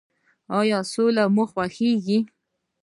ایا سوله مو خوښیږي؟